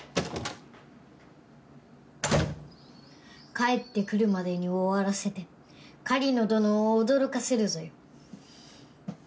帰ってくるまでに終わらせて狩野どのを驚かせるぞよ。